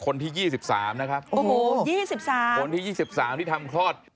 คนที่๒๓นะครับโอ้โห๒๓คนที่๒๓ที่ทำคลอด